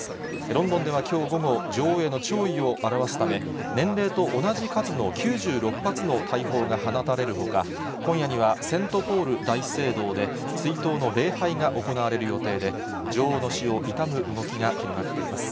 ロンドンではきょう午後、女王への弔意を表すため、年齢と同じ数の９６発の大砲が放たれるほか、今夜には、セント・ポール大聖堂で、追悼の礼拝が行われる予定で、女王の死を悼む動きが広がっています。